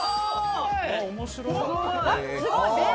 すごい！